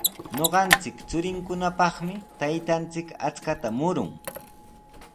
Ñuqanchik churinkunapaqmi taytanchik achkata murun.